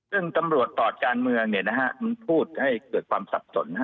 เรื่องตำรวจตอดการเมืองเนี่ยนะฮะมันพูดให้เกิดความสับสนนะฮะ